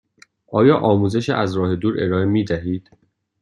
آیا آموزش از راه دور ارائه می دهید؟